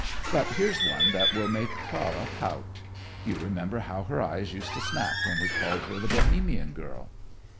But here's one that will make Clara pout. You remember how her eyes used to snap when we called her the Bohemian Girl?"